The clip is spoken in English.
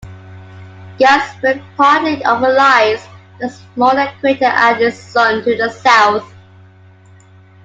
Ganswindt partly overlies the smaller crater Idel'son to the south.